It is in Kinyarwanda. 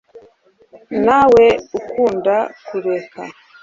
ntawe ukunda kureka